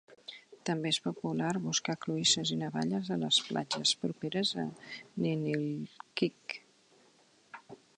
També és popular buscar cloïsses i navalles a les platges properes a Ninilchik.